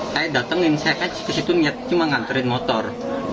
saya datengin saya kan kesitu cuma ngantriin motor